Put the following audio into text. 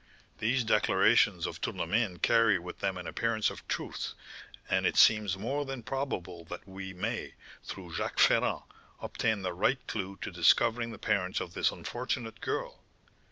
These declarations of Tournemine carry with them an appearance of truth, and it seems more than probable that we may, through Jacques Ferrand, obtain the right clue to discovering the parents of this unfortunate girl.